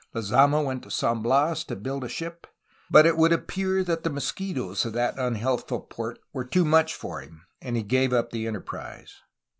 Lezama went to San Bias to build a 'ship, but it would appear that the mosquitoes of that un healthful port were too much for him, and he gave up the enterprise.